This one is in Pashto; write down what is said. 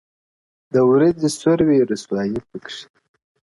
د ورځي سور وي رسوایي پکښي,